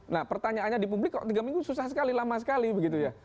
nah pertanyaannya di publik kalau tiga minggu susah sekali lama sekali begitu ya